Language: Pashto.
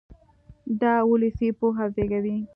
دا اولسي پوهه زېږوي.